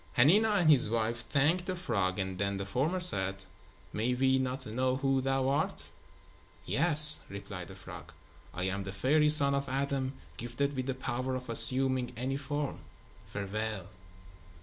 Hanina and his wife thanked the frog and then the former said: "May we not know who thou art?" "Yes," replied the frog. "I am the fairy son of Adam, gifted with the power of assuming any form. Farewell."